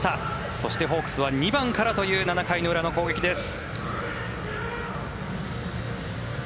そして、ホークスは２番からという７回裏の攻撃です。